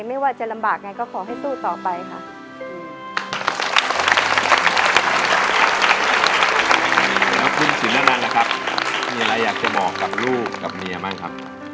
ไม่ว่าจะลำบากไงก็ขอให้สู้ต่อไปค่ะ